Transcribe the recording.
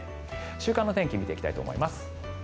週間の天気見ていきたいと思います。